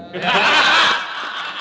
mengungsi para perjuangannya